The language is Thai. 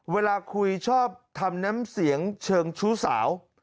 เวลาคุยชอบทำน้ำเสียงเชิงชู้สาว